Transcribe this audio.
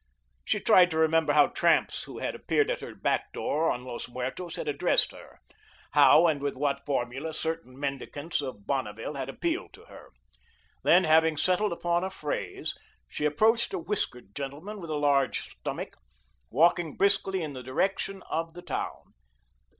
She tried to remember how tramps who had appeared at her back door on Los Muertos had addressed her; how and with what formula certain mendicants of Bonneville had appealed to her. Then, having settled upon a phrase, she approached a whiskered gentleman with a large stomach, walking briskly in the direction of the town.